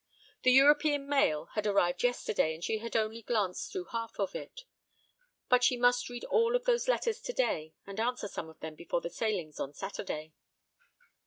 The European mail had arrived yesterday and she had only glanced through half of it. But she must read all of those letters today and answer some of them before the sailings on Saturday.